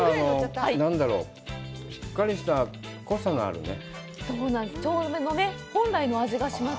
しっかりした濃さがあるね。